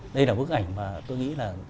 đây là bức ảnh mà tôi nghĩ là